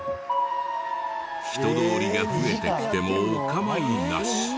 人通りが増えてきてもお構いなし。